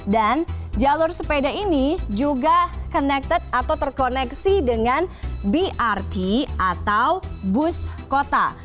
dan jalur sepeda ini juga connected atau terkoneksi dengan brt atau bus kota